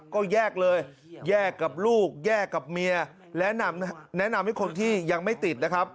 ก็แยกเลยแยกกับลูกแยกกับเมียและแนะนำให้คนที่ยังไม่ติดนะครับ